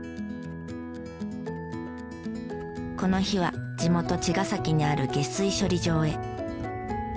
この日は地元茅ヶ崎にある下水処理場へ。